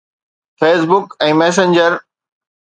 Facebook ۽ Messenger